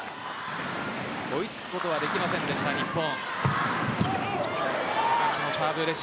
追いつくことはできませんでした、日本。